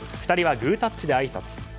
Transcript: ２人はグータッチであいさつ。